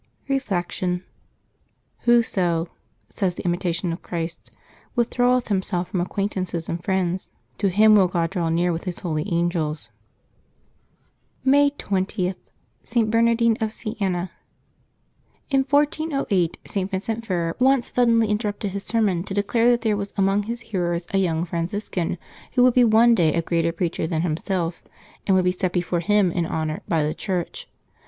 Reflection. — "Whoso," says the Imitation of Christ, "withdraweth himself from acquaintances and friends, to him "will Grod draw near with His holy angels." 186 LIVES OF THE SAINTS [Mat 21 May 20.— ST. BERNARDINE OF SIENA. I2T 1108 St. Vincent Ferrer once suddenly interrupted his sermon to declare that there was among his hearers a 3^oung Franciscan who would be one day a greater preacher than himself, and would be set before him in honor by the Church.